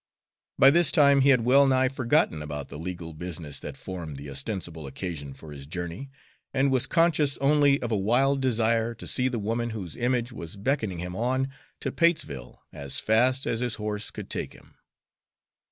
By this time he had well nigh forgotten about the legal business that formed the ostensible occasion for his journey, and was conscious only of a wild desire to see the woman whose image was beckoning him on to Patesville as fast as his horse could take him.